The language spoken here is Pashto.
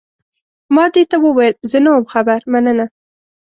ما دې ته وویل، زه نه وم خبر، مننه.